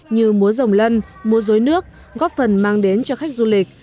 như mua rồng lân mua rối nước góp phần mang đến cho khách du lịch